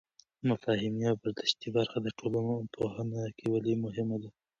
مفاهیمي او برداشتي برخه د ټولنپوهنه کې ولې مهمه ده؟